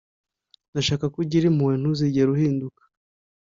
ndashaka ko ugira impuhwe ntuzigere uhindukira